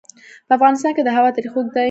په افغانستان کې د هوا تاریخ اوږد دی.